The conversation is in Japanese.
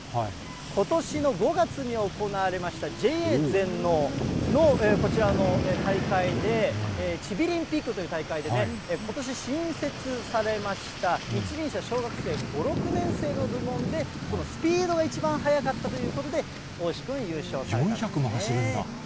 ことしの５月に行われましたＪＡ全農のこちらの大会で、チビリンピックという大会で、ことし新設されました、一輪車小学生５・６年生の部門で、このスピードが一番速かったということで、おうし君、優勝したん４００も走るんだ。